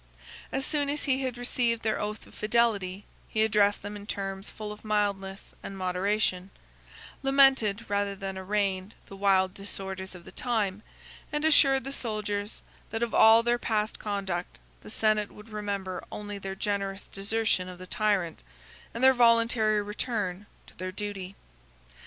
As soon as he had received their oath of fidelity, he addressed them in terms full of mildness and moderation; lamented, rather than arraigned the wild disorders of the times, and assured the soldiers, that of all their past conduct the senate would remember only their generous desertion of the tyrant, and their voluntary return to their duty.